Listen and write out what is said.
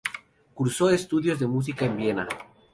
Cursó estudios de música en Viena.